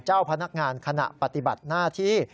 เจ้าพนักงานขณะปฏิบัติหน้าที่